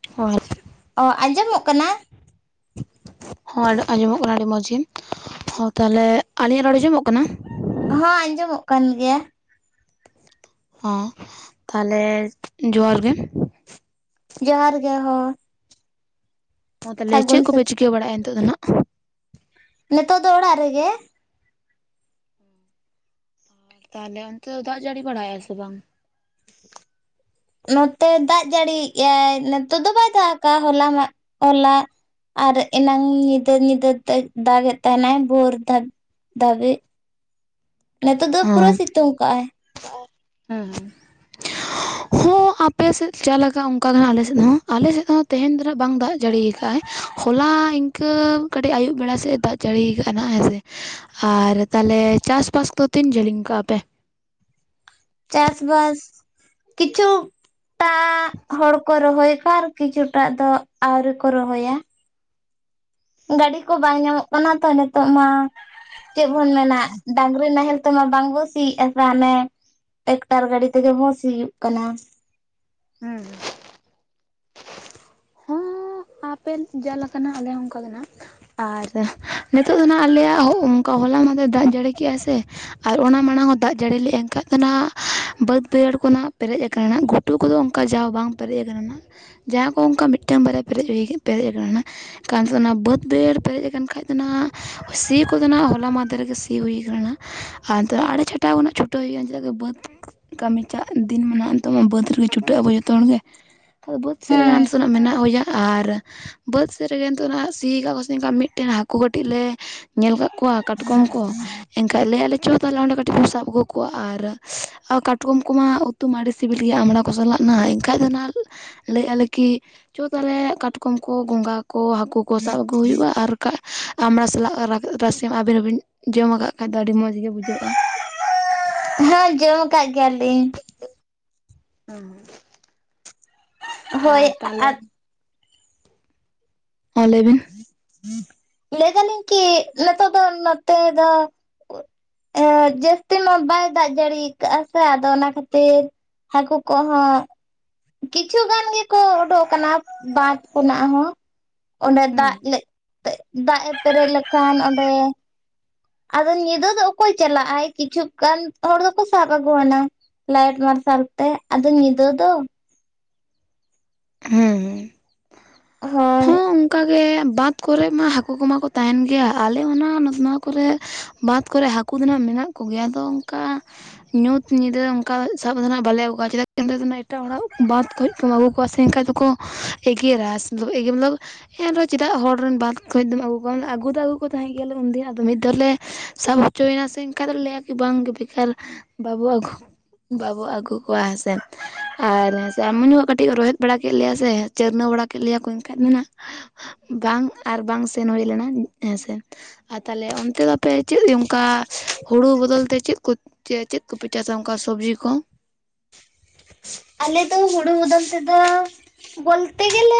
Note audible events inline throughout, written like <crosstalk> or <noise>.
<unintelligible> ᱚ ᱟᱸᱡᱚᱢᱚᱜ ᱠᱟᱱᱟ? ᱦᱚᱸ ᱟᱸᱡᱚᱢᱚᱜ ᱠᱟᱱᱟ ᱟᱹᱰᱤ ᱢᱚᱡᱽ ᱜᱮ, ᱦᱚᱸ ᱛᱟᱦᱞᱮ ᱟᱹᱞᱤᱧᱟᱜ ᱨᱚᱲ ᱟᱸᱡᱚᱢᱚᱜ ᱠᱟᱱᱟ? ᱦᱚᱸ ᱟᱸᱡᱚᱢᱚᱜ ᱠᱟᱱ ᱜᱮᱭᱟ᱾ ᱦᱚᱸ ᱛᱟᱦᱚᱞᱮ ᱡᱚᱦᱟᱨ ᱜᱮ᱾ ᱡᱚᱦᱟᱨ ᱜᱮ ᱦᱚᱸ᱾ ᱦᱚᱸ ᱛᱟᱦᱚᱞᱮ ᱪᱮᱫ ᱥᱟᱹᱜᱩᱱ ᱠᱚᱯᱮ ᱥᱮᱛ ᱪᱤᱠᱟᱹ ᱵᱟᱲᱟ ᱭᱮᱜᱼᱟ ᱱᱤᱛᱚᱜ ᱫᱚ ᱱᱟᱦᱟᱜ? ᱱᱤᱛᱚᱜ ᱫᱚ ᱚᱲᱟᱜ ᱨᱮᱜᱮ᱾ ᱛᱟᱦᱚᱞᱮ ᱚᱱᱛᱮ ᱫᱚ ᱫᱟᱜ ᱡᱟᱹᱲᱤ ᱵᱟᱲᱟᱭᱮ ᱟ ᱥᱮ ᱵᱟᱝ? <inaudible> ᱱᱚᱛᱮ ᱫᱟᱜ ᱡᱟᱹᱲᱤᱭᱮᱜ ᱟᱭ ᱱᱤᱛᱚᱜ ᱫᱚ ᱵᱟᱭ ᱫᱟᱜ ᱟᱠᱟᱜ ᱟ ᱦᱚᱞᱟ ᱢᱟᱜ ᱦᱚᱞᱟ ᱟᱨ ᱮᱱᱟᱝ ᱧᱤᱫᱟᱹ ᱧᱤᱫᱟᱹ ᱛᱮ ᱫᱟᱜ ᱮᱫ ᱛᱟᱦᱮᱱᱟᱭ ᱵᱷᱳᱨ ᱫᱷᱟ ᱫᱷᱟᱹᱵᱤᱡ ᱱᱤᱛᱳᱜ ᱫᱚ ᱯᱩᱨᱟᱹ ᱥᱤᱛᱩᱝ ᱟᱠᱟᱜᱼᱟᱭ᱾ ᱦᱮᱸ ᱦᱮᱸ᱾ ᱟᱯᱮᱥᱮᱫ ᱪᱮᱜ ᱞᱮᱠᱟ ᱚᱱᱠᱟ ᱜᱮ ᱱᱦᱟᱜ ᱟᱞᱮᱥᱮᱫ ᱦᱚᱸ ᱟᱞᱮᱥᱮᱫ ᱦᱚᱸ ᱛᱮᱦᱮᱧ ᱫᱚ ᱱᱟᱦᱜ ᱵᱟᱝ ᱫᱟᱜ ᱡᱟᱹᱲᱤ ᱟᱠᱟᱫᱟᱭ ᱦᱚᱞᱟ ᱤᱝ ᱠᱟᱹ ᱠᱟᱹᱴᱤᱡ ᱟᱹᱭᱩᱵ ᱵᱮᱲᱟ ᱥᱮᱫ ᱮ ᱫᱟᱜ ᱡᱟᱹᱲᱤ ᱟᱠᱟᱼᱟ ᱱᱟᱜ ᱦᱮᱸ ᱥᱮ᱾ ᱟᱨ ᱛᱟᱞᱮ ᱪᱟᱥᱵᱟᱥ ᱫᱚ ᱛᱤᱱ ᱡᱷᱟᱹᱞᱤᱧ ᱠᱟᱜᱼᱟ ᱯᱮ? ᱪᱟᱥ ᱵᱟᱥ ᱠᱪᱷᱩ ᱴᱟᱜ ᱦᱚᱲ ᱠᱚ ᱨᱚᱦᱚᱭ ᱠᱟᱨ ᱠᱤᱪᱷᱩ ᱴᱟᱜ ᱫᱚ ᱟᱹᱣᱨᱤ ᱠᱚ ᱨᱚᱦᱚᱭᱟ᱾ ᱜᱟᱹᱰᱤ ᱠᱚ ᱵᱟᱝ ᱧᱟᱢᱚᱜ ᱠᱟᱱᱟ ᱛᱚ ᱱᱤᱛᱚᱜ ᱢᱟ᱾ ᱪᱮᱫ ᱵᱚᱱ ᱢᱮᱱᱟ ᱰᱟᱺᱝᱨᱤ ᱱᱟᱦᱮᱞ ᱛᱮᱢᱟ ᱵᱟᱝᱵᱚᱱ ᱥᱤᱭᱮᱜᱼᱟ ᱛᱟᱱᱮ ᱴᱮᱠᱴᱟᱨ ᱜᱟᱹᱰᱤ ᱛᱮᱜᱮ ᱵᱚ ᱥᱤᱭᱳᱜ ᱠᱟᱱᱟ᱾ ᱦᱩᱸᱻ ᱦᱚᱸ᱾ ᱟᱯᱮ ᱡᱟᱞ ᱞᱮᱠᱟᱱᱟ ᱟᱞᱮ ᱦᱚᱸ ᱚᱱᱠᱟ ᱜᱮ ᱱᱟᱜ ᱟᱨ ᱱᱤᱛᱚᱜ ᱫᱚ ᱱᱟ ᱟᱞᱮᱭᱟᱜ ᱚᱱᱠᱟ ᱦᱚᱞᱟ ᱢᱟᱫᱷᱮᱨ ᱫᱟᱜ ᱡᱟᱹᱲᱤ ᱠᱮᱜᱼ ᱟᱭ ᱥᱮ ᱟᱨ ᱚᱱᱟ ᱢᱟᱲᱟᱝ ᱦᱚᱸ ᱫᱟᱜ ᱡᱟᱹᱲᱤ ᱞᱮᱜᱼ ᱟᱭ ᱮᱱᱠᱷᱟᱱ ᱫᱚ ᱦᱜ ᱵᱟᱹᱫᱽ ᱵᱟᱹᱭᱦᱟᱹᱲ ᱠᱚ ᱱᱟᱜ ᱯᱮᱨᱮᱡ ᱟᱠᱟᱱᱟ ᱜᱩᱴᱩᱠ ᱠᱩᱫᱚ ᱚᱱᱠᱟ ᱡᱟ ᱵᱟᱝ ᱯᱮᱨᱮᱡ ᱟᱠᱟᱱᱟ ᱡᱟᱦᱟᱸ ᱠᱚ ᱚᱱᱠᱟ ᱢᱤᱫᱴᱟᱝ ᱵᱟᱨᱭᱟ ᱯᱮᱨᱮᱡ ᱯᱮᱨᱮᱡ ᱟᱠᱟᱱᱟ ᱱᱟᱜ ᱠᱟᱱ ᱫᱚ ᱚᱱᱟ ᱵᱟᱹᱫᱽ ᱵᱟᱹᱲ ᱯᱮᱨᱮᱡ ᱟᱠᱟᱱ ᱠᱷᱟᱡ ᱫᱚ ᱱᱟᱜ ᱥᱤ ᱠᱚᱫᱚ ᱱᱟᱜ ᱦᱚᱞᱟ ᱢᱟᱫᱷᱮ ᱜᱮ ᱥᱤ ᱦᱩᱭ ᱟᱠᱟᱱᱟ ᱱᱟᱜ ᱟᱨ ᱱᱤᱛᱚᱜ ᱟᱲᱮ ᱪᱷᱟᱴᱟᱣ ᱠᱷᱚᱱᱟᱜ ᱪᱷᱩᱴᱟᱹᱣ ᱦᱩᱭᱩᱜᱼᱟ ᱪᱮᱫᱟᱜ ᱥᱮ ᱵᱟᱹᱫᱽ ᱠᱟᱹᱢᱤ ᱪᱟᱜ ᱫᱤᱱ ᱢᱮᱱᱟᱜᱼᱟ ᱱᱤᱛᱚᱜ ᱢᱟ ᱵᱟᱹᱫᱽ ᱨᱮ ᱮ ᱪᱷᱩᱴᱟᱹᱜ ᱟᱵᱚ ᱡᱚᱛᱚ ᱦᱚᱲ ᱜᱮ ᱟᱫᱚ ᱵᱟᱹᱫᱽ ᱥᱮᱫ ᱨᱮ ᱦᱮᱸ ᱨᱟᱱ ᱥᱟᱱᱟᱜ ᱢᱮᱱᱟᱜ ᱜᱮᱭᱟ ᱟᱨ ᱵᱟᱹᱫᱽ ᱥᱮᱫ ᱨᱮ ᱜᱮ ᱱᱤᱛᱚᱜ ᱦᱟᱜ ᱥᱤ ᱟᱠᱟᱫ ᱠᱚᱣᱟ ᱥᱮ ᱱ ᱢᱤᱫᱴᱮᱱ ᱦᱟᱹᱠᱩ ᱠᱟᱹᱴᱤᱡ ᱞᱮ ᱧᱮᱞ ᱠᱫ ᱠᱚᱣᱟ ᱠᱚᱣᱟ ᱠᱟᱴᱠᱚᱢ ᱠᱚ ᱮᱱᱠᱷᱟᱱ ᱞᱟᱹᱭ ᱮᱟ ᱞᱮ ᱪᱚ ᱛᱟᱦᱚᱞᱮ ᱚᱸᱰᱮ ᱠᱟᱹᱴᱤᱡ ᱵᱚᱱ ᱥᱟᱵ ᱟᱹᱜᱩ ᱠᱚᱣᱟ ᱟᱨ ᱠᱟᱴᱠᱚᱢ ᱠᱚᱢᱟ ᱩᱛᱩ ᱢᱟ ᱟᱹᱰᱤ ᱥᱤᱵᱤᱞ ᱜᱮᱭᱟ ᱟᱢᱲᱟ ᱠᱚ ᱠᱚ ᱥᱟᱞᱟᱜ ᱱᱟ ᱮᱱᱠᱷᱟᱡ ᱫᱚ ᱱᱟᱦᱟᱜ ᱞᱟᱹᱭ ᱮᱜ ᱟᱞᱮ ᱠᱤ ᱪᱚ ᱛᱟᱞᱮ ᱠᱟᱴᱠᱚᱢ ᱠᱚ, ᱜᱚᱸᱜᱷᱟ ᱠᱚ, ᱦᱟᱹᱠᱩ ᱠᱚ ᱥᱟᱵ ᱟᱹᱜᱩ ᱦᱩᱭᱩᱜᱼᱟ ᱟᱨ ᱠᱟᱜ ᱟᱢᱲᱟ ᱥᱟᱞᱟᱜ ᱨᱟᱥᱮ ᱟᱹᱵᱤᱱ ᱦᱚᱸᱵᱤᱱ ᱡᱚᱢ ᱟᱠᱟᱫ ᱠᱷᱟᱱᱡ ᱫᱚ ᱟᱹᱰᱤ ᱢᱚᱡᱽ ᱜᱮ ᱵᱩᱡᱷᱟᱹᱜᱼᱟ᱾ ᱦᱮᱸᱡᱚᱢᱠᱟᱜ ᱜᱮᱭᱟᱞᱤᱧ᱾ ᱦᱸ᱾ ᱦᱳᱭ ᱛᱟᱦᱚᱞᱮ ᱟᱫ ᱦᱮᱸ ᱞᱟᱹᱭ ᱵᱤᱱ᱾ ᱞᱟᱹᱭ ᱫᱟᱞᱤᱧ ᱠᱤ ᱱᱤᱛᱚᱜ ᱫᱚ ᱱᱚᱛᱮ ᱫᱚ ᱮᱸ ᱡᱟᱹᱥᱛᱤ ᱢᱟ ᱵᱟᱭ ᱫᱟᱜ ᱡᱟᱹᱲᱤ ᱠᱟᱜᱼᱟ ᱥᱮ ᱟᱫᱚ ᱚᱱᱟ ᱠᱷᱟᱹᱛᱤᱨ ᱦᱟᱹᱠᱩ ᱠᱚᱦᱚᱸ ᱠᱤᱪᱷᱩ ᱜᱟᱱ ᱜᱮᱠᱚ ᱩᱰᱩᱜ ᱠᱟᱱᱟ ᱵᱟᱸᱫ ᱠᱷᱱᱟᱜ ᱦᱚᱸ᱾ ᱚᱸᱰᱮ ᱦᱩᱸ ᱫᱟᱜ ᱞᱮ ᱛᱮ ᱫᱟᱜ ᱮ ᱯᱮᱨᱮᱡ ᱞᱮᱠᱷᱟᱱ ᱚᱸᱰᱮ ᱟᱫᱚ ᱧᱤᱫᱟᱹ ᱫᱚ ᱚᱠᱚᱭ ᱪᱟᱞᱟᱜ-ᱟᱭ ᱠᱤᱪᱷᱩ ᱜᱟᱱ ᱦᱚᱲ ᱫᱚᱠᱚ ᱥᱟᱵ ᱟᱹᱜᱩ ᱟᱱᱟ ᱞᱟᱭᱤᱴ ᱢᱟᱨᱥᱟᱞ ᱛᱮ ᱟᱫᱚ ᱱᱤᱸᱫᱟᱹ ᱫᱚ᱾ ᱦᱩᱸ, ᱦᱳᱭ ᱦᱩᱸ ᱚᱱᱠᱟ ᱜᱮ ᱵᱟᱸᱫᱽ ᱠᱚᱨᱮᱜ ᱢᱟ ᱦᱟᱹᱠᱩ ᱠᱚᱢᱟ ᱠᱚ ᱛᱟᱦᱮᱱ ᱜᱮᱭᱟ, ᱟᱞᱮ ᱚᱱᱟ ᱱᱚ ᱱᱚᱣᱟ ᱠᱚᱨᱮ ᱵᱟᱸᱫᱽ ᱠᱚᱨᱮ ᱦᱟ ᱠᱩ ᱫᱚ ᱱᱟᱦᱟᱜ ᱢᱮᱱᱟᱜ ᱠᱚᱜᱮᱭᱟ ᱟᱫᱚ ᱚᱱᱠᱟ ᱧᱩᱛ ᱧᱤᱫᱟᱹ ᱚᱱᱠᱟ ᱫᱚ ᱥᱟᱵ ᱠᱟᱛᱮ ᱱᱟᱦᱟᱜ ᱵᱟᱞᱮ ᱟᱹᱜᱩᱣᱟ ᱪᱮᱫᱟᱜ <inaudible> ᱮᱴᱟᱜ ᱦᱚᱲᱟᱜ ᱵᱟᱸᱫᱽ ᱠᱷᱚᱡ ᱠᱚᱢ ᱟᱹᱜᱩ ᱠᱚ ᱠᱚᱣᱟ ᱥᱮ ᱮᱱᱠᱷᱟᱡ ᱫᱚᱠᱚ ᱮᱜᱮᱨᱟ, ᱮᱜᱮᱨ ᱢᱚᱛᱞᱚᱵ ᱦᱮᱸ ᱟᱫᱚ ᱪᱮᱫᱟᱜ ᱦᱚᱲ ᱨᱮᱱ ᱵᱟᱸᱫ ᱠᱷᱚᱡ ᱫᱚᱢ ᱟᱹᱜᱩ ᱠᱚᱣᱟᱢ, ᱟᱹᱜᱩ ᱫᱚ ᱟᱹᱜᱩ ᱠᱚ ᱛᱟᱦᱮᱸᱜ ᱜᱮ ᱟᱞᱮ ᱩᱱ ᱫᱤᱱ ᱟᱫᱚ ᱢᱤᱫ ᱫᱷᱟᱣ ᱞᱮ ᱥᱟᱵ ᱦᱚᱪᱚᱭ ᱱᱟ ᱥᱮ ᱮᱱᱠᱷᱟᱡ ᱫᱚᱞᱮ ᱞᱟᱹᱭᱟ ᱠᱤ ᱵᱟᱝᱜᱮ ᱵᱮᱠᱟᱨ ᱵᱟᱵᱚ ᱟᱜᱩ ᱵᱟᱵᱚ ᱟᱹᱜᱩ ᱠᱚᱣᱟ ᱦᱮᱸ ᱥᱮ, ᱟᱨ ᱦᱮᱸ ᱥᱮ <inaudible> ᱴᱤᱡ ᱨᱳᱚᱦᱮᱫ ᱵᱟᱲᱟ ᱠᱮᱫ ᱞᱮᱭᱟ ᱥᱮ ᱪᱟᱹᱨᱱᱟᱹ ᱵᱟᱲᱟ ᱠᱮᱫ ᱞᱮᱭᱟ ᱠᱚ ᱨᱱᱠᱷᱟᱡ ᱫᱚ ᱱᱟᱜ ᱵᱟᱝ ᱟᱨ ᱵᱟᱝ ᱥᱮᱱ ᱦᱩᱭ ᱞᱮᱱᱟ ᱦᱮᱸᱥᱮ᱾ ᱟᱨ ᱛᱟᱞᱦᱮ ᱚᱱᱛᱮ ᱫᱚ ᱟᱯᱮ ᱪᱮᱫ ᱚᱱᱠᱟ ᱦᱩᱲᱩ ᱵᱚᱫᱚᱞ ᱛᱮ ᱪᱮᱫ ᱠᱚ ᱪᱮ ᱪᱮᱫ ᱠᱚᱯᱮ ᱪᱟᱥᱟ ᱚᱱᱠᱟ ᱥᱚᱵᱽᱡᱤ ᱠᱚ? ᱟᱞᱮ ᱫᱚ ᱦᱩᱲᱩ ᱵᱚᱫᱚᱞ ᱛᱮᱫᱚ ᱵᱚᱞᱛᱮ ᱜᱮᱞᱮ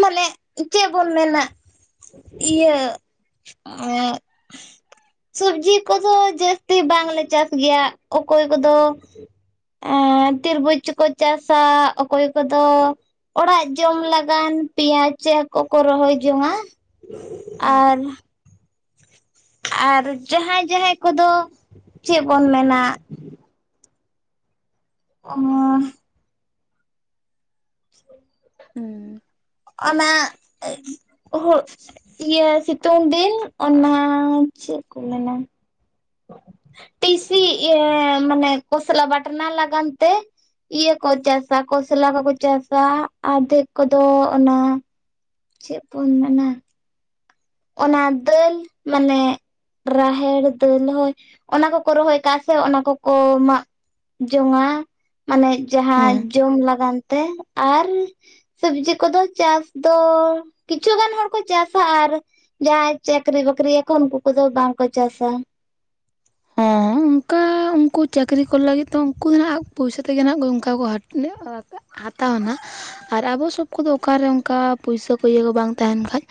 ᱢᱟᱱᱮ ᱪᱮᱫ ᱵᱚᱱ ᱢᱮᱱᱟ? ᱤᱭᱟᱹ ᱮᱸᱜ ᱥᱚᱵᱡᱤ ᱠᱚᱫᱚ ᱡᱟᱹᱥᱛᱤ ᱵᱟᱝᱞᱮ ᱪᱟᱥ ᱜᱮᱭᱟ ᱚᱠᱚᱭ ᱠᱚᱫᱚ ᱮᱸ ᱛᱤᱨᱵᱩᱡᱽ ᱠᱚ ᱪᱟᱥᱟ ᱚᱠᱚᱭ ᱠᱚᱫᱚ ᱚᱲᱟᱜ ᱡᱚᱢ ᱞᱟᱜᱟᱱ ᱯᱮᱸᱭᱟᱡ ᱠᱚᱠᱚ ᱨᱚᱦᱚᱭ ᱡᱚᱝᱟ ᱦᱩᱸ ᱟᱨ ᱟᱨ ᱡᱟᱦᱟᱸᱭ ᱡᱟᱦᱟᱸᱭ ᱠᱚᱫᱚ, ᱪᱮᱫ ᱵᱚᱱ ᱢᱮᱱᱟ ᱚᱻ ᱦᱩᱸ᱾ ᱚᱱᱟ, ᱦᱳᱜ ᱤᱭᱟᱹ ᱥᱤᱛᱩᱝ ᱫᱤᱱ ᱚᱱᱟ ᱪᱮᱫ ᱠᱚ ᱢᱮᱱᱟ? ᱴᱤᱥᱤ ᱮᱸ ᱢᱟᱱᱮ ᱠᱚᱥᱞᱟ ᱵᱟᱴᱱᱟ ᱞᱟᱜᱟᱱ ᱛᱮ ᱤᱭᱟᱹ ᱠᱚ ᱪᱟᱥᱟ ᱠᱚᱥᱞᱟ ᱠᱚᱠᱚ ᱪᱟᱥᱟ ᱟᱫᱮᱠ ᱠᱚᱫᱚ ᱚᱱᱟ ᱪᱮᱫ ᱠᱚ ᱢᱮᱱᱟ? ᱚᱱᱟ ᱫᱟᱹᱞ ᱢᱟᱱᱮ ᱨᱟᱦᱮᱲ ᱫᱟᱹᱞ ᱦᱳᱭ, ᱚᱱᱟ ᱠᱚᱠᱚ ᱨᱚᱦᱚᱭ ᱠᱟᱜᱼᱟ ᱥᱮ ᱚᱱᱟ ᱠᱚᱠᱚ ᱢᱟᱜ ᱡᱚᱝᱟ, ᱢᱟᱱᱮ ᱡᱟᱦᱟᱸ ᱦᱮᱸ ᱡᱚᱢ ᱞᱟᱜᱟᱱ ᱛᱮ᱾ ᱟᱨ ᱥᱚᱵᱡᱤ ᱠᱚᱫᱚ ᱪᱟᱥ ᱫᱚ, ᱠᱤᱪᱷᱩ ᱜᱟᱱ ᱦᱚᱲ ᱠᱚ ᱪᱟᱥᱟ ᱟᱨ ᱡᱟᱦᱟᱸᱭ ᱪᱟᱹᱠᱨᱤ ᱵᱟᱠᱨᱤᱭᱟᱠᱚ ᱚᱱᱠᱩ ᱠᱚᱫᱚ ᱵᱟᱝᱠᱚ ᱪᱟᱥᱟ᱾ ᱦᱮᱸ ᱚᱱᱠᱟ ᱠᱟ ᱩᱱᱠᱩ ᱪᱟᱹᱠᱨᱤ ᱠᱚ ᱞᱟᱹᱜᱤᱫ ᱫᱟ ᱩᱱᱠᱩ ᱫᱚ ᱱᱟᱜ ᱯᱩᱭᱥᱟ ᱛᱮᱜᱮ ᱱᱟᱦᱟᱜ ᱚᱱᱠᱟ ᱠᱚ <inaudible> ᱦᱟᱛᱟᱣᱱᱟ, ᱟᱨ ᱟᱵᱚ ᱥᱚᱵ ᱠᱚᱫᱚ ᱚᱠᱟᱨᱮ ᱚᱱᱠᱟ ᱯᱩᱭᱥᱟᱹ ᱠᱚ ᱤᱭᱟᱹ ᱠᱚ ᱵᱟᱝ ᱛᱟᱦᱮᱱ ᱠᱷᱟᱡ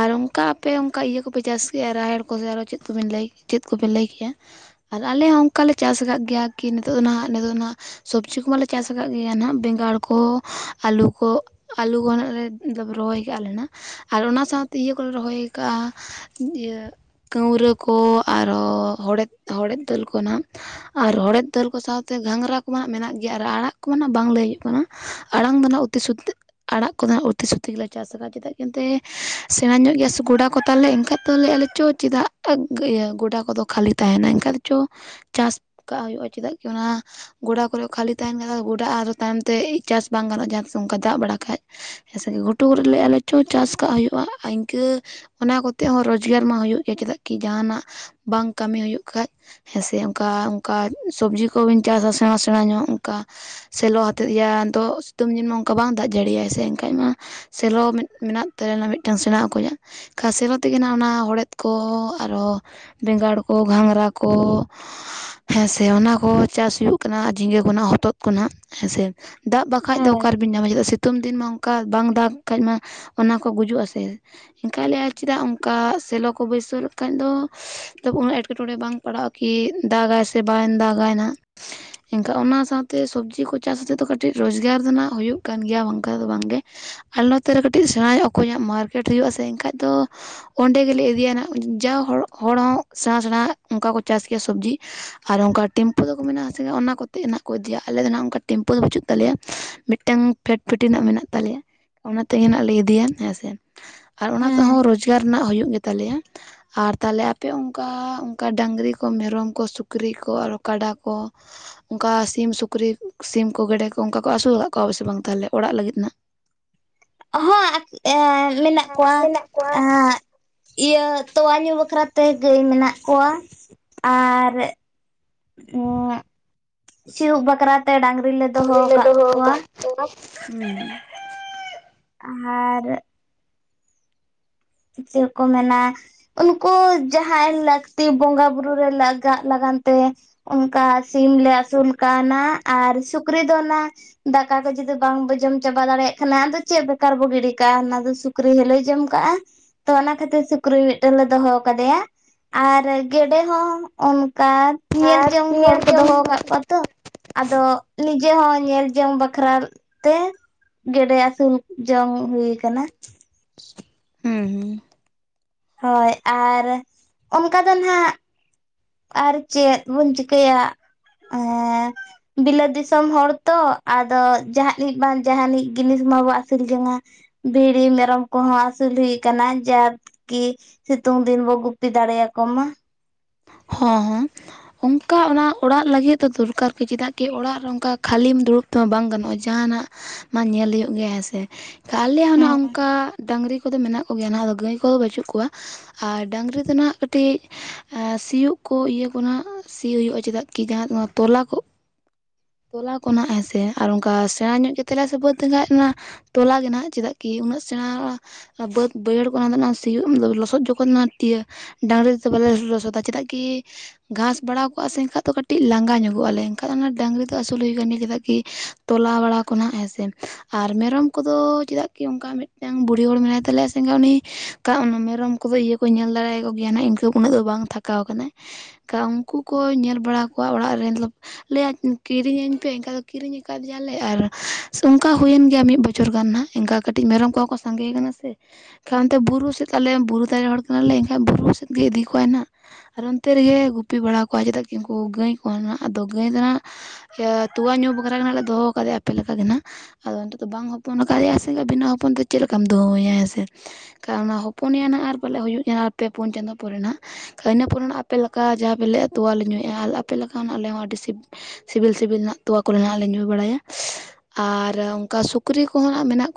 ᱟᱨ ᱚᱱᱠᱟ ᱟᱯᱮ ᱚᱱᱠᱟ ᱤᱭᱟᱹ ᱠᱚᱯᱮ ᱪᱟᱥ ᱜᱮᱭᱟ ᱨᱟᱦᱮᱲ ᱠᱚᱥᱮ ᱟᱨᱚ ᱪᱮᱫ ᱠᱚᱵᱤᱱ ᱞᱟᱹᱭ ᱪᱮᱫ ᱠᱚᱵᱤᱱ ᱞᱟᱹᱭ ᱠᱮᱜᱼᱟ? ᱟᱨ ᱟᱞᱮ ᱦᱚᱸ ᱚᱱᱠᱟᱞᱮ ᱪᱟᱥ ᱟᱠᱟᱜ ᱜᱮᱭᱟ ᱠᱤ ᱱᱤᱛᱚᱜ ᱫᱚ ᱱᱟᱦᱟᱜ ᱱᱤᱛᱚᱜ ᱫᱚ ᱱᱟᱦᱟᱜ ᱥᱚᱵᱽᱡᱤ ᱠᱚᱢᱟᱞᱮ ᱪᱟᱥ ᱟᱠᱟᱜ ᱜᱮᱭᱟ ᱱᱟᱦᱟᱜ ᱵᱮᱸᱜᱟᱲ ᱠᱚ ᱟᱹᱞᱩ ᱠᱚ᱾ ᱟᱹᱞᱩ ᱱᱟᱜ ᱞᱮ <inaudible> ᱨᱚᱦᱚᱭ ᱠᱟᱜ-ᱟ ᱞᱮ ᱱᱟᱜ ᱟᱨ ᱚᱱᱟ ᱥᱟᱶᱛᱮ ᱤᱭᱟᱹ ᱠᱚᱞᱮ ᱨᱚᱦᱚᱭ ᱠᱟᱜᱼᱟ ᱤᱭᱟᱹ ᱠᱟᱺᱣᱨᱟᱹ ᱠᱚ ᱟᱨᱚ ᱦᱚᱲᱮᱫ ᱦᱚᱲᱮᱫ ᱫᱟᱹᱞ ᱠᱚ ᱱᱟᱦᱟᱜ᱾ ᱟᱨ ᱦᱚᱲᱮᱫ ᱫᱟᱹᱞ ᱠᱚ ᱥᱟᱶᱛᱮ ᱜᱷᱟᱸᱝᱨᱟ ᱠᱚᱢᱟ ᱱᱟᱜ ᱢᱮᱱᱟᱜ ᱜᱮᱭᱟ ᱟᱨ ᱟᱲᱟᱜ ᱠᱚᱢᱟ ᱱᱟᱜ ᱵᱟᱝ ᱞᱟᱹᱭ ᱦᱩᱭᱩᱜ ᱠᱟᱱᱟ ᱟᱲᱟᱝ ᱫᱚ ᱱᱟᱜ ᱛᱮ ᱥᱩᱫ ᱛᱮᱼᱼ ᱟᱲᱟᱜ ᱠᱚᱫᱚ ᱦᱟᱸᱜ ᱩᱛᱤ ᱥᱩᱛᱤ ᱜᱮᱞᱮ ᱪᱟᱥ ᱫᱟ ᱪᱮᱫᱟᱜ ᱮᱱᱛᱮ ᱥᱮᱬᱟ ᱧᱚᱜ ᱜᱮᱭᱟ ᱥᱮ ᱜᱚᱰᱟ ᱠᱚ ᱛᱟᱞᱮ ᱮᱱᱠᱷᱟᱡ ᱫᱚᱞᱮ ᱟᱞᱮ ᱪᱚᱼᱼ ᱪᱮᱫᱟᱜ ᱤᱭᱟᱹ ᱜᱚᱰᱟ ᱠᱚᱫᱚ ᱠᱷᱟᱹᱞᱤ ᱛᱟᱦᱮᱱᱟ ᱮᱱᱠᱟ ᱫᱚ ᱪᱚ ᱪᱟᱥ ᱠᱟᱜ ᱦᱩᱭᱩᱜ-ᱟ ᱪᱮᱫᱟᱜ ᱠᱤ ᱚᱱᱟ ᱜᱚᱰᱟ ᱠᱚᱨᱮ ᱠᱷᱟᱹᱞᱤ ᱛᱟᱦᱮᱱ ᱠᱟᱱᱟ ᱜᱚᱰᱟ ᱟᱨᱦᱚᱸ ᱛᱟᱭᱚᱢ ᱛᱮ ᱪᱟᱥ ᱵᱟᱝ ᱜᱟᱱᱚᱜ-ᱟ ᱡᱟᱦᱟᱸ ᱛᱤᱥ ᱚᱱᱠᱟ ᱫᱟᱜ ᱵᱟᱲᱟ ᱠᱷᱟᱡ ᱦᱮᱸᱥᱮ ᱜᱷᱩᱴᱩ ᱠᱚᱨᱮ ᱞᱮ ᱟᱞᱮ ᱪᱚ ᱪᱟᱥ ᱠᱟᱜ ᱦᱩᱭᱩᱜ-ᱟ ᱟ ᱤᱱᱠᱟᱹ ᱚᱱᱟ ᱠᱚᱛᱮ ᱦᱚᱸ ᱨᱚᱡᱽᱜᱟᱨ ᱢᱟ ᱦᱩᱭᱩᱜ ᱜᱮᱭᱟ ᱪᱮᱫᱟᱜ ᱠᱤ ᱡᱟᱦᱟᱱᱟᱜ ᱵᱟᱝ ᱠᱟᱹᱢᱤ ᱦᱩᱭᱩᱜ ᱠᱷᱟᱡ ᱦᱮᱸ ᱥᱮ ᱚᱱᱠᱟ ᱚᱱᱠᱟ ᱥᱚᱵᱽᱡᱤ ᱠᱚᱵᱤᱱ ᱪᱟᱥᱟ ᱥᱮᱬᱟ ᱥᱮᱬᱟ ᱧᱚᱜ ᱚᱱᱠᱟ ᱥᱮᱞᱚ ᱦᱟᱛᱮᱫ ᱤᱭᱟ ᱟᱫᱚ ᱥᱤᱛᱩᱝ ᱫᱤᱱ ᱢᱟ ᱚᱱᱠᱟ ᱵᱟᱝ ᱫᱟᱜ ᱡᱟᱹᱲᱤᱭᱟᱭ ᱥᱮ ᱮᱱᱠᱷᱟᱡ ᱢᱟ ᱥᱮᱞᱚ ᱢᱮᱱᱟᱜ ᱛᱟᱭᱟ ᱢᱤᱫᱴᱟᱱ ᱥᱮᱬᱟ ᱚᱠᱚᱭᱟᱜ ᱠᱷᱟ ᱥᱮᱞᱚ ᱛᱮᱜᱮ ᱟᱜ ᱚᱱᱟ ᱦᱚᱲᱮᱫ ᱠᱚ ᱟᱨᱚ ᱵᱮᱸᱜᱟᱲ ᱠᱚ ᱜᱷᱟᱸᱝᱨᱟ ᱠᱚ ᱦᱮᱸ ᱥᱮ ᱚᱱᱟ ᱠᱚ ᱪᱟᱥ ᱦᱩᱭᱩᱜ ᱠᱟᱱᱟ ᱡᱷᱤᱸᱜᱟᱹ ᱠᱷᱚᱱᱟᱜ ᱦᱚᱛᱚᱫ ᱠᱷᱚᱱᱟᱜ ᱦᱮᱸ ᱥᱮ, ᱫᱟᱜ ᱵᱟᱠᱷᱟᱡ ᱫᱚ ᱦᱳᱭ ᱚᱠᱟ ᱨᱮᱵᱮᱱ ᱧᱟᱢᱟ ᱪᱮᱫᱟᱜ ᱥᱤᱛᱩᱝ ᱫᱤᱱ ᱢᱟ ᱚᱱᱠᱟ ᱵᱟᱝ ᱫᱟᱜᱽ ᱠᱷᱟᱡ ᱢᱟ ᱚᱱᱟ ᱠᱚ ᱜᱩᱡᱩᱜ ᱟᱥᱮ᱾ ᱮᱱᱠᱟ ᱞᱟᱹᱭᱟ ᱟᱨ ᱪᱮᱫᱟᱜ ᱚᱱᱠᱟ ᱥᱮᱞᱚ ᱠᱚ ᱵᱟᱹᱭᱥᱟᱹᱣ ᱞᱮ ᱠᱷᱟᱱ ᱫᱚ ᱩᱱᱟᱹᱜ ᱮᱸᱴᱠᱮᱴᱚᱬᱮ ᱵᱟᱝ ᱯᱟᱲᱟᱜ-ᱟ ᱠᱤ ᱫᱟᱜᱟᱭ ᱥᱮ ᱵᱟᱝ ᱫᱟᱜᱟᱭ ᱱᱟᱜ ᱮᱱᱠᱷᱟᱱ ᱚᱱᱟ ᱥᱟᱶᱛᱮ ᱥᱚᱵᱽᱡᱤ ᱠᱚ ᱪᱟᱥ ᱠᱟᱛᱮᱜ ᱫᱚ ᱠᱟᱹᱴᱤᱡ ᱨᱳᱡᱽᱜᱟᱨ ᱫᱚ ᱱᱟᱜ ᱦᱩᱭᱩᱜ ᱠᱟᱱ ᱜᱮᱭᱟ ᱵᱟᱝᱠᱷᱟᱡ ᱫᱚ ᱵᱟᱝᱜᱮ, ᱟᱞᱮ ᱱᱚᱛᱮᱨᱮ ᱠᱟᱹᱴᱤᱡ ᱥᱮᱬᱟᱭᱟ ᱚᱠᱚᱭᱟᱜ ᱢᱟᱨᱠᱮᱴ ᱦᱩᱭᱩᱜ ᱟᱥᱮ ᱮᱱᱠᱷᱟᱡ ᱫᱚ ᱚᱸᱰᱮ ᱜᱮᱞᱮ ᱤᱫᱤᱭᱟ ᱱᱟᱜ ᱡᱟ ᱦᱚᱲ ᱦᱚᱲ ᱦᱚᱸ ᱥᱮᱬᱟ ᱥᱮᱬᱟ ᱚᱱᱠᱟ ᱠᱚ ᱪᱟᱥ ᱜᱮᱭᱟ ᱥᱚᱵᱽᱡᱤ ᱟᱨ ᱚᱱᱠᱟ ᱴᱮᱢᱯᱩ ᱫᱚᱠᱚ ᱢᱮᱱᱟᱜ ᱟᱥᱮ ᱚᱱᱟ ᱠᱚᱛᱮ ᱱᱟᱜ ᱠᱚ ᱤᱫᱤᱭᱟ ᱟᱞᱮ ᱫᱚ ᱱᱟᱜ ᱚᱱᱠᱟ ᱴᱮᱢᱯᱩ ᱫᱚ ᱵᱟᱹᱪᱩᱜ ᱛᱟᱞᱮᱭᱟ ᱢᱤᱫᱴᱮᱱ ᱯᱷᱮᱴ ᱯᱷᱮᱴᱤ ᱨᱮᱱᱟᱜ ᱢᱮᱱᱟᱜ ᱛᱟᱞᱮᱭᱟ ᱚᱱᱟ ᱛᱮᱜᱮ ᱱᱟᱜ ᱞᱮ ᱤᱫᱤᱭᱟ ᱦᱮᱸ ᱥᱮ, ᱟᱨ ᱚᱱᱟ ᱦᱮᱸ ᱛᱮᱦᱚᱸ ᱨᱳᱡᱽᱜᱟᱨ ᱨᱮᱱᱟᱜ ᱦᱩᱭᱩᱜ ᱜᱮᱛᱟᱞᱮᱭᱟ ᱟᱨ ᱛᱟᱦᱞᱮ ᱟᱯᱮ ᱚᱱᱠᱟ ᱚᱱᱠᱟ ᱰᱟᱹᱝᱨᱤ ᱠᱚ ᱢᱮᱨᱚᱢ ᱠᱚ ᱥᱩᱠᱨᱤ ᱠᱚ ᱟᱨᱚ ᱠᱟᱰᱟ ᱠᱚ ᱚᱱᱠᱟ ᱥᱤᱢ ᱥᱩᱠᱨᱤ ᱥᱤᱢ ᱠᱚ ᱜᱮᱰᱮ ᱠᱚ ᱚᱱᱠᱟ ᱠᱚ ᱟᱹᱥᱩᱞ ᱠᱟᱫ ᱠᱚᱣᱟ ᱥᱮ ᱵᱟᱝ ᱛᱟᱦᱚᱞᱮ ᱚᱲᱟᱜ ᱞᱟᱹᱜᱤᱫ ᱱᱟᱜ, ᱦᱚᱸ ᱮᱸ ᱢᱮᱱᱟᱜ ᱦᱮᱸ ᱠᱚᱣᱟ ᱢᱮᱱᱟᱜ ᱠᱚᱣᱟ ᱮᱸ ᱤᱭᱟᱹ ᱛᱳᱣᱟ ᱧᱩ ᱵᱟᱠᱷᱨᱟ ᱛᱮ ᱜᱟᱹᱭ ᱢᱮᱱᱟᱜ ᱠᱚᱣᱟ ᱟᱨ ᱩᱸ <inaudible> ᱥᱤᱭᱳᱜ ᱵᱟᱠᱷᱨᱟ ᱛᱮ ᱰᱟᱝᱨᱤ ᱞᱮ ᱫᱚᱦᱚ ᱰᱟᱹᱝᱨᱤ ᱞᱮ ᱟᱠᱟᱫ ᱫᱚᱦᱚ ᱠᱚᱣᱟ ᱠᱟᱜ ᱠᱚᱣᱟ᱾ ᱟᱨᱻ ᱪᱮᱫ ᱠᱚ ᱢᱮᱱᱟ, ᱩᱱᱠᱩ ᱡᱟᱦᱟᱸᱭ ᱞᱟᱹᱠᱛᱤ ᱵᱚᱸᱜᱟ ᱵᱩᱨᱩ ᱨᱮ ᱞᱟᱜᱟᱜ ᱞᱟᱜᱟᱱ ᱛᱮ‌, ᱚᱱᱠᱟ ᱥᱤᱢ ᱞᱮ ᱟᱹᱥᱩᱞ ᱠᱟᱣ ᱱᱟ ᱟᱨ ᱥᱩᱠᱨᱤ ᱫᱚ ᱱᱟᱜ ᱫᱟᱠᱟ ᱠᱚ ᱡᱩᱫᱤ ᱵᱟᱝᱵᱚ ᱡᱚᱢ ᱪᱟᱵᱟ ᱫᱟᱲᱮᱭᱟᱜ ᱠᱷᱟᱱ ᱟᱫᱚ ᱪᱮᱫ ᱵᱮᱠᱟᱨ ᱵᱚ ᱜᱤᱰᱤ ᱠᱟᱜ-ᱟ ᱚᱱᱟ ᱫᱚ ᱥᱩᱠᱨᱤ ᱦᱚᱞᱮᱣ ᱡᱚᱢ ᱠᱟᱜ-ᱟ ᱾ ᱛᱚ ᱚᱱᱟ ᱠᱷᱟᱹᱛᱤᱨ ᱥᱩᱠᱨᱤ ᱢᱤᱫᱴᱮᱱ ᱞᱮ ᱫᱚᱦᱚ ᱠᱟᱫᱮᱭᱟ ᱾ ᱟᱨ ᱜᱮᱰᱮ ᱦᱚᱸ ᱚᱱᱠᱟ ᱧᱮᱞ ᱟᱨ ᱡᱚᱝ ᱦᱚᱲ ᱧᱮᱞ ᱠᱚ ᱡᱚᱝ ᱫᱚᱦᱚ ᱦᱚᱲ ᱟᱠᱟᱫ ᱠᱚᱣᱟ ᱾ ᱛᱚ ᱟᱫᱚ ᱱᱤᱡᱮ ᱦᱚᱸ ᱧᱮᱞ ᱡᱚᱝ ᱵᱟᱠᱷᱨᱟ ᱛᱮ, ᱜᱮᱰᱮ ᱟᱹᱥᱩᱞ ᱡᱚᱝ ᱦᱩᱭ ᱟᱠᱟᱱᱟ ᱾ <inaudible> ᱦᱮᱸ ᱦᱮᱸ ᱾ ᱦᱳᱭ ᱟᱨ ᱚᱱᱠᱟ ᱫᱚ ᱱᱟᱦᱟᱜ ᱟᱨ ᱪᱮᱫ ᱵᱚᱱ ᱪᱤᱠᱟᱹᱭᱟ ᱟᱨ ᱵᱤᱞᱟᱹᱛ ᱫᱤᱥᱚᱢ ᱦᱚᱲ ᱛᱚ ᱟᱫᱚ ᱡᱟᱦᱟᱱᱤᱡ ᱵᱟᱝ ᱡᱟᱦᱟᱱᱤᱡ ᱡᱤᱱᱤᱥ ᱢᱟᱵᱚ ᱟᱹᱥᱩᱞ ᱡᱚᱝᱟ ᱾ ᱵᱷᱤᱲᱤ ᱢᱮᱨᱚᱢ ᱠᱚᱦᱚᱸ ᱟᱹᱥᱩᱞ ᱦᱩᱭ ᱟᱠᱟᱱᱟ ᱡᱟ ᱠᱤ ᱥᱤᱛᱩᱝ ᱫᱤᱱ ᱵᱚ ᱜᱩᱯᱤ ᱫᱟᱲᱮᱭᱟᱠᱚ ᱢᱟ ᱾ ᱦᱚᱸ ᱦᱚᱸ ᱚᱱᱠᱟ ᱚᱱᱟ ᱚᱲᱟᱜ ᱞᱟᱹᱜᱤᱫ ᱫᱚ ᱫᱚᱨᱠᱟᱨ ᱜᱮ ᱪᱮᱫᱟᱜ ᱠᱤ ᱚᱲᱟᱜ ᱨᱮ ᱚᱱᱠᱟ ᱠᱷᱟᱹᱞᱤᱢ ᱫᱩᱲᱩᱵ ᱛᱚ ᱵᱟᱝ ᱜᱟᱱᱚᱜᱼᱟ ᱡᱟᱦᱟᱱᱟᱜ ᱢᱟ ᱧᱮᱞ ᱦᱩᱭᱩᱜ ᱜᱮ ᱦᱮᱸ ᱥᱮ ᱟᱞᱮᱭᱟᱜ ᱦᱚᱸ ᱦᱮᱸ ᱚᱱᱠᱟ ᱰᱟᱝᱨᱤᱼᱼ ᱠᱚ ᱢᱮᱱᱟᱜ ᱠᱚᱜᱮᱭᱟ ᱫᱚ ᱜᱟᱹᱭ ᱠᱚᱫᱚ ᱵᱟᱹᱪᱩᱜ ᱠᱚᱣᱟ ᱟᱨ ᱰᱟᱹᱟᱝᱨᱤ ᱫᱚ ᱱᱟᱦᱟᱜ ᱠᱟᱹᱴᱤᱡᱼᱼ ᱥᱤᱭᱳᱜ ᱠᱩ ᱤᱭᱟᱹ ᱠᱚ ᱥᱤ ᱦᱩᱭᱩᱜᱼᱟ ᱪᱮᱫᱟᱜ ᱠᱤ ᱡᱟᱦᱟᱸ ᱚᱱᱟ ᱛᱚᱞᱟ ᱠᱚᱼᱼ ᱛᱚᱞᱟ ᱠᱚ ᱱᱟᱦᱟᱜ ᱦᱮᱸᱥᱮ ᱟᱨ ᱚᱱᱠᱟ ᱥᱮᱬᱟ ᱧᱚᱜ ᱠᱟ ᱠᱟᱛᱮᱫ ᱞᱮ ᱥᱟᱹ ᱵᱟᱹᱫ ᱞᱮᱠᱟᱱᱟᱡ ᱚᱱᱟᱼᱼ ᱛᱚᱞᱟ ᱜᱮ ᱦᱮᱱᱟᱜ ᱪᱮᱫᱟᱜ ᱠᱤ ᱩᱱᱟᱹᱜ ᱥᱮᱬᱟᱼᱼ ᱵᱟᱹᱫᱽ ᱵᱟᱹᱭᱦᱟᱹᱲ ᱠᱚ ᱚᱱᱟ ᱥᱤᱭᱳᱜ ᱞᱚᱥᱚᱫ ᱡᱚᱠᱷᱚᱱ ᱚᱱᱟ ᱛᱤᱭᱳᱼᱼ ᱰᱟᱝᱨᱤ ᱛᱮᱫᱚ ᱵᱟᱞᱮ ᱞᱚᱥᱚᱫᱟ ᱪᱮᱫᱟᱜ ᱠᱤᱼᱼ ᱜᱷᱟᱥ ᱵᱟᱲᱟ ᱠᱚᱜᱼᱟ ᱥᱮ ᱮᱱᱠᱷᱟᱡ ᱫᱚ ᱠᱟᱹᱴᱤᱡ ᱞᱟᱸᱜᱟ ᱧᱚᱜᱚᱜᱼᱟᱞᱮ ᱮᱱᱠᱷᱟ ᱫᱚ ᱚᱱᱟ ᱰᱟᱹᱝᱨᱤ ᱫᱚᱼᱼ ᱟᱹᱥᱩᱞ ᱦᱩᱭ ᱠᱟᱱᱟ ᱪᱮᱫᱟᱜ ᱠᱤ ᱛᱚᱞᱟ ᱵᱟᱲᱟ ᱠᱚᱦᱱᱟᱜ ᱦᱮᱸᱥᱮ ᱾ ᱟᱨ ᱢᱮᱨᱚᱢ ᱠᱚᱫᱚ ᱪᱮᱫᱟᱜ ᱠᱤ ᱚᱱᱠᱟ ᱢᱤᱫᱴᱟᱱ ᱵᱩᱲᱦᱤ ᱦᱚᱲ ᱢᱮᱱᱟᱭ ᱛᱟᱞᱮᱭᱟ ᱥᱮᱸᱜᱟ ᱩᱱᱤᱼᱼ ᱚᱱᱟ ᱢᱮᱨᱚᱢ ᱠᱚᱫᱚ ᱤᱭᱟᱹ ᱠᱚ ᱧᱮᱞ ᱫᱟᱲᱮᱭᱟᱠᱚ ᱜᱮᱭᱟ ᱱᱟ ᱱᱟᱦᱟᱜ ᱤᱱᱠᱟᱹ ᱩᱱᱟᱹᱜ ᱫᱚ ᱵᱟᱝ ᱛᱷᱟᱠᱟᱣ ᱟᱠᱟᱱᱟ ᱾ ᱩᱱᱠᱩ ᱠᱚ ᱧᱮᱞ ᱵᱟᱲᱟ ᱠᱚᱣᱟ ᱚᱲᱟᱜ ᱨᱮ ᱞᱟᱹᱭᱟ, ᱠᱤᱨᱤᱧᱟᱹᱧ ᱯᱮ ᱮᱱᱠᱟ ᱫᱚ ᱠᱤᱨᱤᱧ ᱟᱠᱟᱫᱮᱭᱟᱞᱮ ᱟᱨ ᱚᱱᱠᱟ ᱦᱩᱭᱮᱱ ᱜᱮᱭᱟ ᱢᱤᱫ ᱵᱚᱪᱷᱚᱨ ᱜᱟᱱ ᱦᱟᱜ ᱾ ᱮᱱᱠᱟ ᱠᱟᱹᱴᱤᱡ ᱢᱮᱨᱚᱢ ᱠᱚᱦᱚᱸ ᱠᱚ ᱥᱟᱸᱜᱮ ᱠᱟᱱᱟ ᱥᱮ, ᱮᱱᱠᱷᱟᱱ ᱚᱱᱛᱮ ᱵᱩᱨᱩ ᱥᱮᱫ ᱟᱞᱮ ᱵᱩᱨᱩ ᱫᱟᱨᱮ ᱦᱚᱲ ᱠᱟᱱᱟᱞᱮ ᱮᱱᱠᱷᱟᱡ ᱵᱩᱨᱩ ᱥᱮᱫ ᱜᱮ ᱤᱫᱤ ᱠᱚᱣᱟᱭ ᱦᱟᱸᱜ ᱾ ᱟᱨ ᱚᱱᱛᱮ ᱨᱮᱜᱮ ᱜᱩᱯᱤ ᱵᱟᱲᱟ ᱠᱚᱣᱟ ᱪᱮᱫᱟᱜ ᱠᱤ ᱩᱱᱠᱩ ᱜᱟᱹᱭ ᱠᱚ ᱟᱫᱚ ᱜᱟᱹᱭ ᱫᱚ ᱱᱟᱦᱟᱜᱼᱼ ᱤᱭᱟᱹ ᱛᱚᱣᱟ ᱧᱩ ᱵᱟᱠᱷᱨᱟ ᱜᱮ ᱦᱟᱜ ᱞᱮ ᱫᱚᱦᱚ ᱠᱟᱫᱮᱭᱟ ᱟᱯᱮ ᱞᱮᱠᱟ ᱜᱮ ᱱᱟᱦᱟᱜ ᱾ ᱟᱫᱚ ᱚᱱᱛᱮ ᱫᱚ ᱵᱟᱝ ᱦᱚᱯᱚᱱ ᱟᱠᱟᱫᱮᱭᱟ ᱥᱮ ᱵᱷᱤᱱᱟᱹ ᱦᱚᱯᱚᱱ ᱛᱮ ᱪᱮᱫ ᱞᱮᱠᱟᱢ ᱫᱩᱦᱟᱹᱣ ᱮᱭᱟ ᱦᱮᱸ ᱥᱮ‌ ᱾ ᱟᱨ ᱚᱱᱟ ᱦᱚᱯᱚᱱᱮᱭᱟ ᱱᱟᱜ ᱟᱨ ᱯᱟᱞᱮ ᱦᱩᱭᱩᱜ ᱟᱨ ᱯᱮ ᱯᱩᱱ ᱪᱟᱸᱫᱳ ᱯᱚᱨᱮᱱᱟᱦᱟᱜ᱾ ᱤᱱᱟᱹ ᱯᱚᱨᱮᱱᱟᱜ ᱟᱯᱮ ᱞᱮᱠᱟ ᱡᱟᱦᱟᱸ ᱯᱮ ᱞᱮᱜᱼᱟ ᱛᱚᱣᱟ ᱞᱮ ᱧᱩᱭᱮᱫᱼᱟ ᱟᱯᱮ ᱞᱮᱠᱟᱱᱟᱜ ᱟᱞᱮ ᱦᱚᱸ ᱟᱹᱰᱤ ᱥᱤᱼᱼ ᱥᱤᱵᱤᱞ ᱥᱤᱵᱤᱞ ᱦᱟᱜ ᱛᱚᱣᱟ ᱠᱚᱨᱮᱱᱟᱜ ᱞᱮ ᱧᱩ ᱵᱟᱲᱟᱭᱟ ᱾ ᱟᱨ ᱚᱱᱠᱟ ᱥᱩᱠᱨᱤ ᱠᱚᱦᱚᱸ ᱱᱟᱦᱟᱜ ᱢᱮᱱᱟᱜ ᱠᱚᱼᱼ